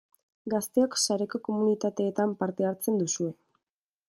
Gazteok sareko komunitateetan parte hartzen duzue.